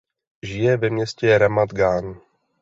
Žije ve městě Ramat Gan.